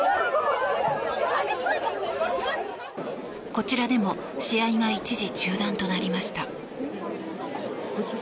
こちらでも試合が一時中断となりました。